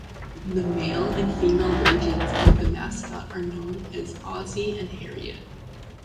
The male and female versions of the mascot are known as Ozzie and Harriet.